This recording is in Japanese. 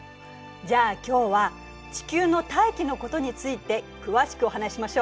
じゃあ今日は「地球の大気」のことについて詳しくお話ししましょう。